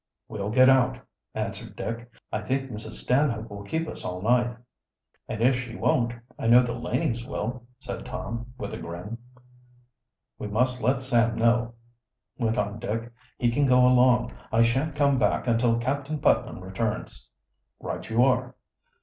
"We'll get out," answered Dick. "I think Mrs. Stanhope will keep us all night." "And if she won't, I know the Lanings will," said Tom, with a grin. "We must let Sam know," went on Dick. "He can go along. I shan't come back until Captain Putnam returns." "Right you are."